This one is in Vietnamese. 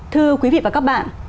thưa quý vị và các bạn